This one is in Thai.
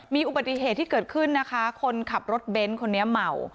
มีอุบัติเหตุที่เกิดขึ้นนะคะคนขับรถเบนท์คนนี้เมา